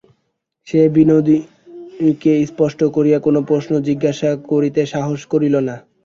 সে বিনোদিনীকে স্পষ্ট করিয়া কোনো প্রশ্ন জিজ্ঞাসা করিতে সাহস করিল না।